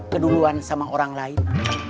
keduluan sama orang lain